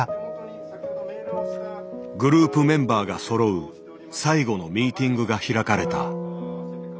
グループメンバーがそろう最後のミーティングが開かれた。